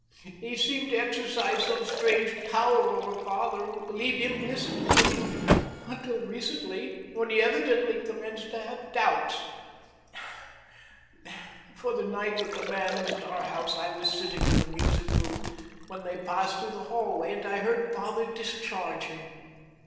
He seemed to exercise some strange power over father, who believed implicitly in him, until recently, when he evidently commenced to have doubts; for the night that the man was at our house I was sitting in the music room when they passed through the hallway, and I heard father discharge him.